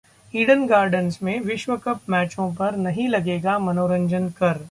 Eden Gardens में विश्व cup मैचों पर नहीं लगेगा मनोरंजन कर